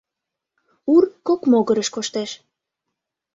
Ур кок могырыш коштеш.